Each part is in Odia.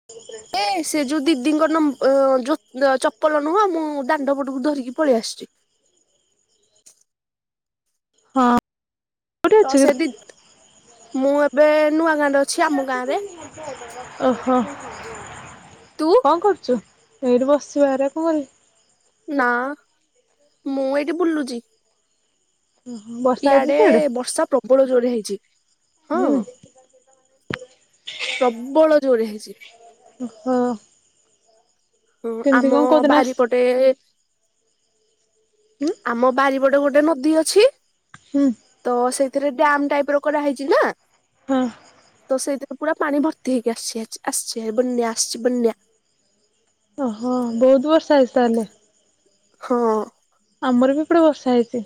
ହ [unintelligible] ଏ ସେ ଯୋଉ ଦିଦିଙ୍କ ନମ୍ ଅ ଜୋତ ଚପଲ ନୁହଁ ମୁଁ ଦାଣ୍ଡ ପଟକୁ ଧରିକି ପଳେଇ ଆସିଛି। ହଁ। କୋଉଠି ତ ଅଛୁ କି? ସେଦି ମୁଁ ଏବେ ନୂଆ ଗାଁରେ ଅଛି ଆମ ଗାଁ ରେ। ଓହୋ। ତୁ। କ ଣ କରୁଛୁ ଏଇଠି ବସିବା ଏରା କଣ କରିବି। ନା ମୁଁ ଏଇଠି ବୁଲୁଛି। ଓୁ ହଁ। ଇାଡେ ବର୍ଷା ପ୍ରବଳ ଜୋର ରେ ହେଇଛି। ହଁ ହୁଁ ପ୍ରବଳ ଯୋରେ ହେଇଛି। ହଁ। ହଁ ଆମ କୋଉଦିନ ଆସ ବାରିପଟେ ଉଁ ଆମ ବାରିପଟେ ଗୋଟେ ନଦୀ ଅଛି। ହୁଁ। ତ ସେଥିରେ ଡମ୍ ଟାଇପ ର କଡା ହେଇଛି ନା। ହଁ। ତ ସେଇଥିରେ ପୁରା ପାଣି ଭର୍ତ୍ତି ହେଇକି ଆସି ଆସିଛି। ବନ୍ୟା ଆସିଛି ବନ୍ୟା। ଓହୋ ବହୁତ ବର୍ଷ ହେଇ ତାହେଲେ। ହଁ। ଆମର ବି ପଡେ ବର୍ଷା ହେଇଛି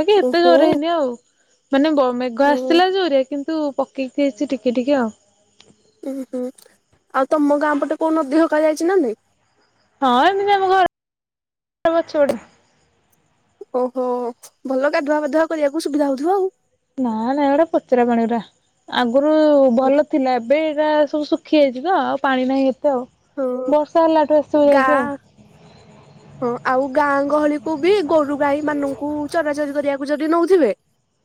ବାକି ଏତେ ଓହୋ ଜର ହେଇନି ଆଉ। ମାନେ ମେଘ ଓ ଆସିଲା ଜୋରିଆ କିନ୍ତୁ ପକେଇକି ହେଇଛି ଟିକେ ଟିକେ ଆଉ। ଉୁଁ ହୁଁ ଆଉ ତମ ଗାଁ ପଟେ କୋଉ ନଦୀ ହକା ଯାଇଛି ନା ନାଇଁ। ହଁ ଏମିତି ଆମ ଘରଛ ଗୋଟେ ଓହୋ ଭଲ ଗାଧୁଆବାଧୁଆ କରିବାକୁ ସୁବିଧା ହଉଥିବ ଆଉ। ନା ନା ଗୋଟା ପଚରା ପାଣି ଗଡା ଆଗରୁ ଭଲ ଥିଲା। ଏବେ ଏଇଟା ସବୁ ଶୁଖି ଯାଇଛି ତ ଆଉ ପାଣି ନାହିଁ ଏତେ ଆଉ ହଁ ବର୍ଷା ହେଲାଠୁ ଏସଯାଇକି ଆଉ। ଗାଁ ହଁ ଆଉ ଗାଁ ଗହଳିକୁୁ ବି ଗୋରୁ ଗାଈ ମାନଙ୍କୁ ଚରାଚରି କରିବାକୁ ଯଦି ନଉଥିବେ।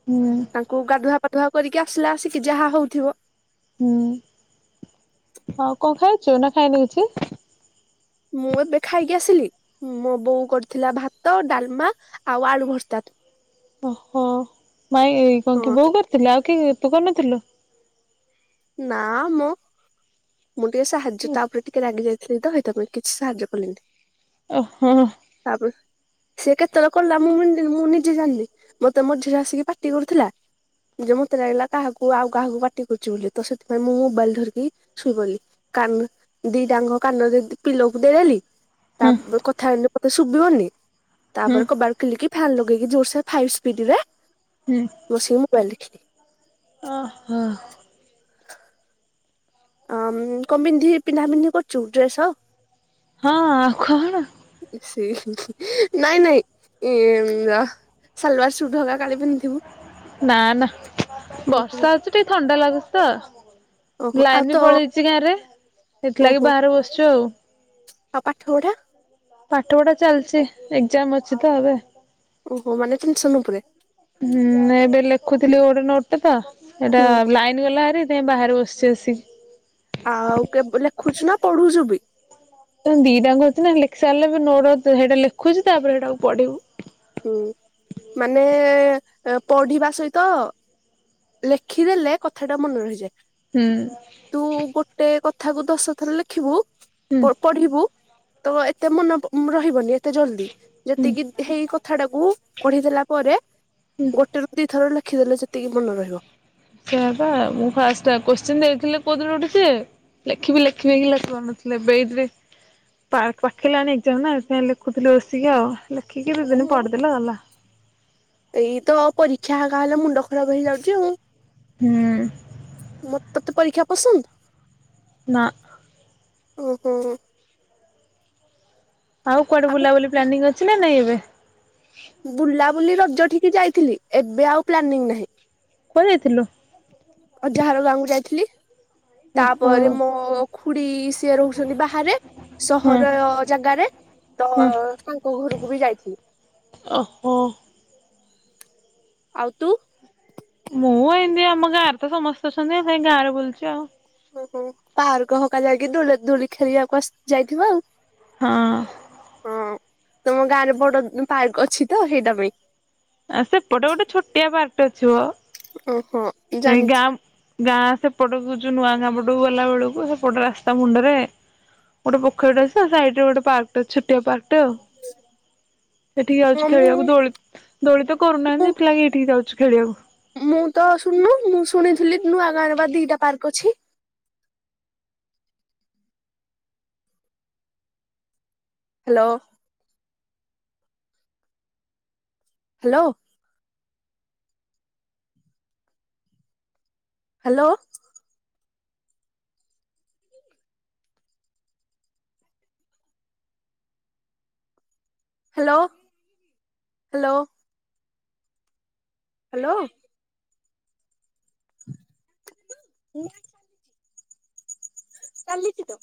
ହୁଁ। ତାଙ୍କୁ ଗାଧୁଆ ପାାଧୁଆ କରିକି ଆସିଲା ଆସିକି ଯାହା ହଉଥିବ। ହୁଁ ହଉ କଣ ଖାଇଛୁ ନା ଖାଇଲେ କିଛି। ମୁଁ ଏବେ ଖାଇକି ଆସିଲି। ମୋ ବୋଉ କରିଥିଲା ଭାତ ଡାଲମା ଆଉ ଆଳୁ ଭର୍ତ୍ତା। ଓହୋ ମାଇ ହଁ କଣ କି ବୋଉ କରିଥିଲେ। ଆଉ କି ତୁ କରିନଥିଲୁ? ନା ମୁଁ ମୁଁ ଟିକେ ସାହାଯ୍ୟ ତାପରେ ଟିକେ ରାଗି ଯାଇଥିଲି ତ ହତ ମୁଁ କିଛି ସାହାଯ୍ୟ କଲିନି। ଓ ହୋ। ତାପ ସେିଏ କେତେବେଳେ କା ମୁଁ ମୁଁ ନିଜେ ଜାଣିଲି ମତେ ମଝିରେ ଆସିକି ପାଟି କରୁଥିଲା। ଯେ ମତେ ଲାଗିଲା କାହାକୁ ଆଉ କାହାକୁ ପାଟି କରୁଛି ବୋଲି। ତ ସେଥିପାଇଁ ମୁଁ ମୋବାଇଲ ଧରିକି ଶୋଇଗଲି କାରଣ ଦିଡାଙ୍ଗ କାନ ଦେଇ ପିଲକୁ ଦେଇଦେଲି। ହୁଁ ତାପ କଥା ହେିଲେ କେ ଶୁଭିବନି ହୁଁ ତାପରେ କବାର ିଲ କି ଫନ୍ ଲଗେଇକି ଜୋରସ ଫାଇ୍ ସ୍ପିଡ ରେ ହୁଁ। ମୋରି ମୋାଇଲ ଲ ଦେଖିଲି। ଓ ହ। ହିଁ, କଣ ପିନ୍ଧି ପିନ୍ଧା ପିନ୍ଧି କରୁଛୁ ଡ୍ରେସ ହଉ। ହଁ ଆଉ କଣ? ସେ ନାଇଁ ନାଇଁ ଏ ଯ ସାଲୱାର ସୁଟ ହେକ କାଲି ପିନ୍ଧିଥିବୁ ନା ନା ଓହୋ। ବର୍ଷା ହଉଛି ଟିକେ ଥଣ୍ଡା ଲାଗୁଚିତ। ଓହୋ ଆଉ ଲାଇନ ତ ବି ପଳେଇଛି ଗାଁ ରେ ସେଥିଲାଗି ଓହୋ ବାହାରେ ବସିଛୁ ଆଉ ଆଉ ପାଠ ପଢ଼ା। ପାଠ ପଢା ଚାଲିଛି ଏକ୍ଜାମ ଅଛି ତ ଏବେ। ଓହୋ ମାନେ ଟେନସନ ଉପରେ। ହୁଁ ଏବେ ଲେଖୁଥିଲି ଗୋଟେ ନୋଟଟେ ତ ଏଇଟା ହୁଁ ଲାଇନ୍ ଗଲାହାରି ସେ ବାହାରେ ବସିଛି ଆସିକି। ଆଉ କେବେ ଲେଖୁଛୁ ନା ପଢୁଛୁ ବି ଦିଟାଙ୍କୁ ଅଛି ନା ଲେଖି ସାରିଲେ ବି ନୋଟ ହେଇଟା ଲେଖୁଛି ତାପରେ ସେଇଟାକୁ ପଢିବୁ। ହୁଁ ମାନେ ପଢିବା ସହିତ ଲେଖିଦେଲେ କଥା ଟା ମନେ ରହିଯାଏ। ହୁଁ। ତୁ ଗୋଟେ କଥାକୁୁ ଦଶ ଥର ଲେଖିବୁ ହୁଁ ପୋ ପଢିବୁ ତ ଏତେ ମନ ରହିବନି ଏତେ ଜଲଦି ହୁଁ ଯେତିକି ହେଇ କଥା ଟାକୁ ପଢିଦେଲା ପରେ ହୁଁ। ଗୋଟେ ରୁ ଦିଥର ଲେଖିଦେଲେ ସେତିକି ମନେ ରହିଲ [unintelligible] ସେଆପା ମୁ ଫାଷ୍ଟ କୋତ୍ସିନ ଦେଇଥିଲେ କୋଉ ଦିନଠୁ ସେ ଲେଖିବି ଲେଖିବି ହେଇ ଲେଖିପାରୁନଥିଲି ଏବେ ଏଇ ପା-ପାଖେଇିଲାଣି ଏକ୍ସାମ୍ ନା ସେଆ ଲେଖୁଥିଲି ବସିକି ଆଉ ଲେଖିକି ଦି ହଁ ଦିନ ମ ପଢ଼ିଦେଲେ ଗଲା। ଏଇ ତ ପରୀକ୍ଷା ହେଗା ହେଲେ ମୁଣ୍ଡ ଖରାପ ହେଇଯାଉଛି ଆଉ। ହୁଁ। ମ ତତେ ପରୀକ୍ଷା ପସନ୍ଦ। ନା। ଓ ହୋ। ଆଉ କୁଆଡେ ବୁଲାବୁଲି ପ୍ଲାନିଙ୍ଗ ଅଛି ନା ନାଇଁ ଏବେ। ବୁଲାବୁଲି ରଜ ଠିକି ଯାଇଥିଲି ଏବେ ଆଉ ପ୍ଲାନିଂ ନାହିଁ। କୁଆଯାଇଥିଲୁ? ଅଜାଘର ଗାଁକୁ ଯାଇଥିଲି। ଓହୋ ତାପରେ ମୋ-ମୋ ଖୁଡି ସିଏ ରହୁଛନ୍ତି ବାହାରେ। ହଁ ସହର ଜାଗାରେ ତ ହଁ ତାଙ୍କ ଘରକୁ ବି ଯାଇଥିଲି। ଓହୋ। ଆଉ ତୁ? ମୁଁ ଏମିତି ଆମ ଗାଁରେ ତ ସମସ୍ତେ ଅଛନ୍ତି ସେଇ ଗାଁରେ ବୁଲୁଛି ଆଉ। ଓହୋ ପାର୍କ ହକା ଯାଇକି ଦ-ଦୋଳି ଖେଳିବାକୁ ଆସି ଯାଇଥିବ ଆଉ ହଁ। ହଁ ତମ ଗାଁରେ ବଡ ପାର୍କ ଅଛି ତ ସେଇଟା ପାଇଁ। ଆ ସେପଟେ ଗୋଟେ ଛୋଟିଆ ବାଟ ଥିବ ଓହୋ ଜାଣିଛି। ଗାଁ ସେପଟ କୁ ଯୁ ନୂଆ ଗାଁ ପଟକୁ ଗଲା ବେଳକୁ ସେପଟ ରାସ୍ତା ମୁଣ୍ଡରେ ଗୋଟେ ପଖରୀଟେ ଅଛି ସେ ସାଇଟ୍ ରେ ଗୋଟେ ପାର୍କଟ ଛୋଟିଆ ପାର୍କ ଟେ ଆଉ ସେଠିକି ହଁ ଯାଉଛୁ ମୁଁ ଖେଳିବାକୁ ଦୋଳି ଦୋଳି ତ ମୁଁ କରୁନାହାନ୍ତି ସେଥିଲାଗି ଏଇଠିକି ଯାଉଛି ଖେଳିବାକୁ। ମୁଁ ତ ଶୁଣନୁ ମୁଁ ଶୁଣିଥିଲି ନୂଆଗାଁରେ ବା ଦିଟା ପାର୍କ ଅଛି। Hello. Hello. Hello. Hello [unintelligible] hello hello. [unintelligible] ଚାଲିଚି ତ